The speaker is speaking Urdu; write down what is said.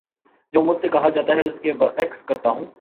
جو مجھ سے کہا جاتا ہے اس کے بر عکس کرتا ہوں